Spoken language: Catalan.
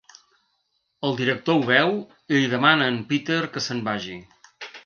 El Director ho veu i li demana a en Peter que se'n vagi.